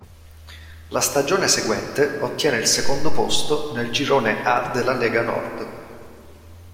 La stagione seguente ottiene il secondo posto del Girone A della Lega Nord.